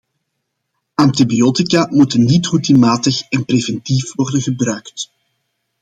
Antibiotica moeten niet routinematig en preventief worden gebruikt.